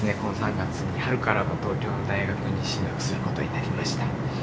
春から東京の大学に進学することになりました。